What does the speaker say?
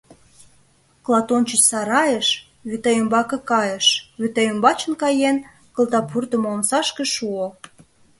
Клат ончыч сарайыш, вӱта ӱмбаке кайыш, вӱта ӱмбачын каен, кылта пуртымо омсашке шуо.